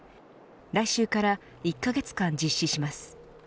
来週から１カ月間、実施します。